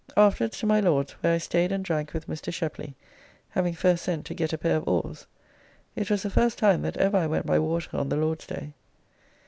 Afterwards to my Lord's, where I staid and drank with Mr. Sheply, having first sent to get a pair of oars. It was the first time that ever I went by water on the Lord's day.